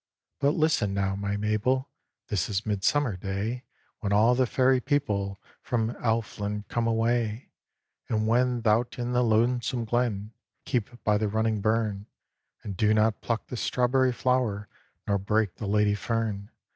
"But listen now, my Mabel: This is Midsummer Day, When all the Fairy people From Elfland come away. "And when thou'rt in the lonesome glen, Keep by the running burn, And do not pluck the strawberry flower, Nor break the lady fern.